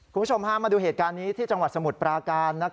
คุณผู้ชมพามาดูเหตุการณ์นี้ที่จังหวัดสมุทรปราการ